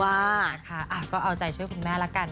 ว่านะคะก็เอาใจช่วยคุณแม่ละกัน